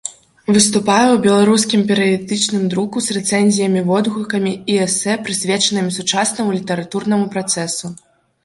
Выступае ў беларускім перыядычным друку з рэцэнзіямі, водгукамі і эсэ, прысвечанымі сучаснаму літаратурнаму працэсу.